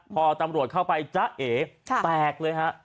พอตำรวจเข้าไปจ๊ะเอแตกเลยฮะ